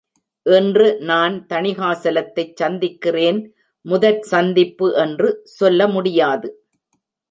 இன்று நான் தணிகாசலத்தைச் சந்திக்கிறேன் முதற் சந்திப்பு என்று சொல்ல முடியாது.